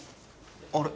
あれ？